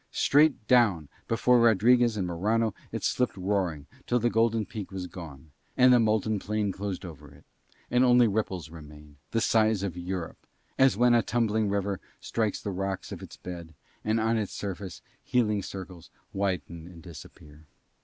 Straight down before Rodriguez and Morano it slipped roaring, till the golden peak was gone, and the molten plain closed over it; and only ripples remained, the size of Europe, as when a tumbling river strikes the rocks of its bed and on its surface heaving circles widen and disappear.